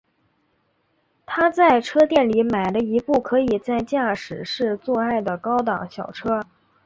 他在车店里买了一部可以在驾驶室做爱的高档小车。